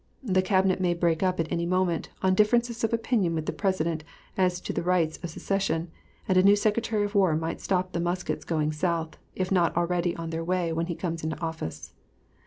The Cabinet may break up at any moment, on differences of opinion with the President as to the rights of secession, and a new Secretary of War might stop the muskets going South, if not already on their way when he comes into office.